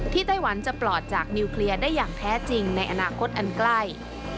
ไต้หวันจะปลอดจากนิวเคลียร์ได้อย่างแท้จริงในอนาคตอันใกล้